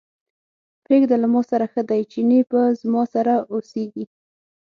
پرېږده له ماسره ښه دی، چينی به زما سره اوسېږي.